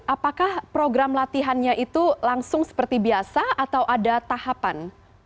apakah program latihannya itu langsung seperti biasa atau ada tahapan